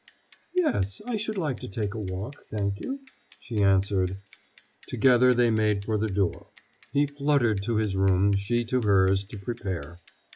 "Yes, I should like to take a walk thank you," she answered. Together they made for the door; he fluttered to his room, she to hers, to prepare.